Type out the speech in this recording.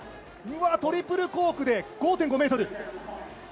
トリプルコークで５．５ｍ。